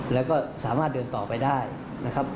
แล้วก็สามารถเดินต่อไปได้นะครับ